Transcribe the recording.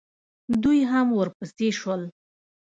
دوئ هم ورپسې شول.